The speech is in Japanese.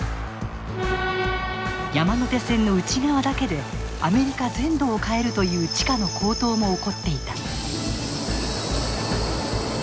山手線の内側だけでアメリカ全土を買えるという地価の高騰も起こっていた。